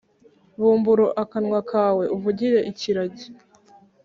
Bumbura akanwa kawe uvugire ikiragi